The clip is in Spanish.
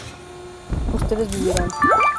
ustedes vivirán